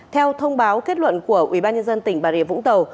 theo thông báo kết luận của ubnd tỉnh bà rịa vũng tàu